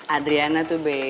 adriana tuh be